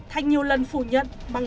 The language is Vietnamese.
thanh nhiều lần phủ nhận